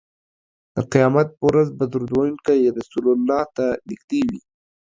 د قیامت په ورځ به درود ویونکی رسول الله ته نږدې وي